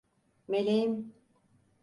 Meleğim!